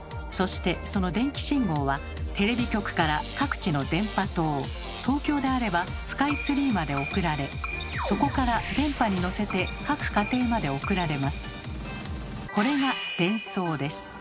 そしてその電気信号はテレビ局から各地の電波塔東京であればスカイツリーまで送られそこから電波に乗せて各家庭まで送られます。